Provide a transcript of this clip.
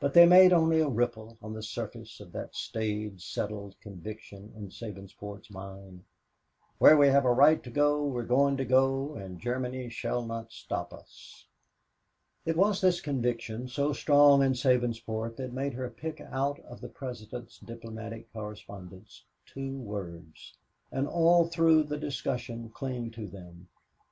But they made only a ripple on the surface of that staid, settled conviction in Sabinsport's mind "where we have a right to go, we're going to go, and Germany shall not stop us." It was this conviction, so strong in Sabinsport, that made her pick out of the President's diplomatic correspondence two words, and all through the discussion cling to them.